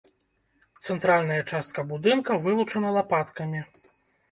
Цэнтральная частка будынка вылучана лапаткамі.